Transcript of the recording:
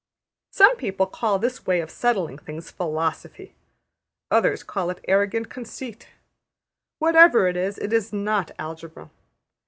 Some people call this way of settling things Philosophy; others call it arrogant conceit. Whatever it is, it is not Algebra.